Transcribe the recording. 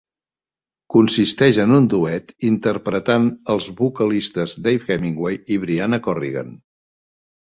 Consisteix en un duet interpretant als vocalistes Dave Hemingway i Briana Corrigan.